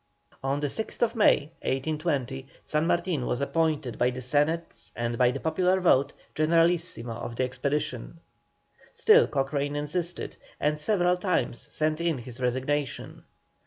On the 6th May, 1820, San Martin was appointed by the Senate and by the popular vote, Generalissimo of the expedition. Still Cochrane insisted, and several times sent in his resignation.